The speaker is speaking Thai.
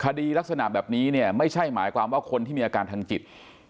คดีลักษณะแบบนี้เนี่ยไม่ใช่หมายความว่าคนที่มีอาการทางจิต